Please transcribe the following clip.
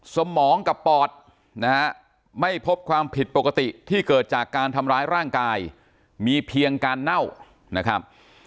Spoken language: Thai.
สมองกับปอดนะฮะไม่พบความผิดปกติที่เกิดจากการทำร้ายร่างกายมีเพียงการเน่านะครับ